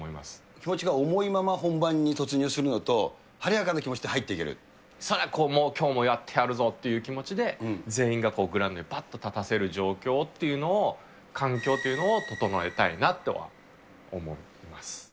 気持ちが重いまま本番に突入するのと、晴れやかな気持ちで入それはこう、きょうもやってやるぞっていう全員がグラウンドにぱっと立たせる状況っていうのを、環境っていうのを整えたなとは思います。